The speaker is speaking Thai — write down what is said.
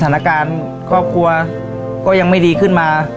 สถานการณ์ครอบครัวก็ยังไม่ดีขึ้นมา